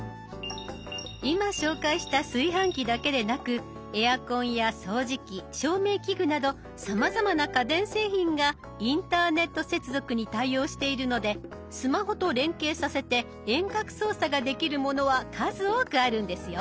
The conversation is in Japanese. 今紹介した炊飯器だけでなくエアコンや掃除機照明器具などさまざまな家電製品がインターネット接続に対応しているのでスマホと連携させて遠隔操作ができるものは数多くあるんですよ。